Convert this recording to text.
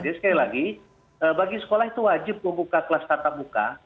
jadi sekali lagi bagi sekolah itu wajib membuka kelas tata muka